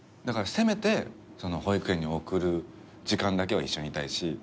だからせめて保育園に送る時間だけは一緒にいたいし。